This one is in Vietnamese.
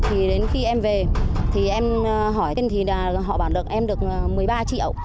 thì đến khi em về thì em hỏi họ bảo được em được một mươi ba triệu